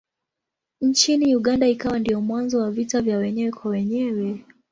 Nchini Uganda ikawa ndiyo mwanzo wa vita vya wenyewe kwa wenyewe.